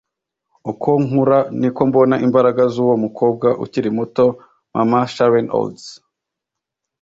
uko nkura, niko mbona imbaraga z'uwo mukobwa ukiri muto, mama - sharon olds